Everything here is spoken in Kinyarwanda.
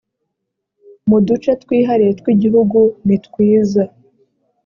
mu duce twihariye tw igihugu nitwiza